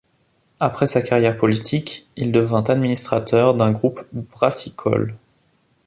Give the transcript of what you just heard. Après sa carrière politique, il devint administrateur d'un groupe brassicole.